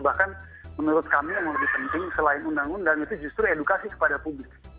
bahkan menurut kami yang lebih penting selain undang undang itu justru edukasi kepada publik